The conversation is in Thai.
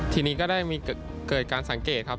ทีนี้ก็ได้มีเกิดการสังเกตครับ